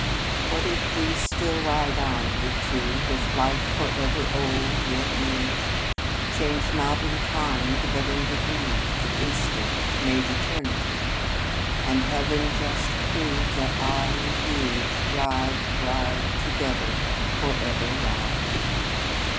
"What if we still ride on, we two, With life forever old, yet new, Changed not in kind but in degree, The instant made eternity, And Heaven just prove that I and he Ride, ride together, forever ride?"